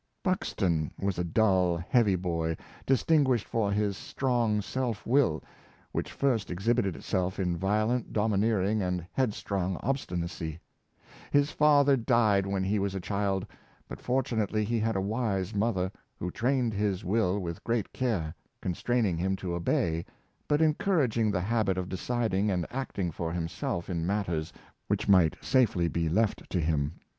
Buxton was a dull, heavy boy, distinguished for his strong self will, which first exhibited itself in violent, domineering, and headstrong obstinacy. His father died when he was a child; but fortunately he had a wise mother, who trained his will with great c^are, constrain ing him to obey, but encouraging the habit of deciding and acting for himself in matters which might safely be left to him.